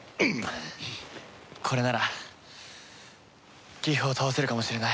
これならギフを倒せるかもしれない。